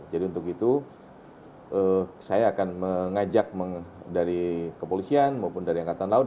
jadi untuk itu saya akan mengajak dari kepolisian maupun dari angkatan laut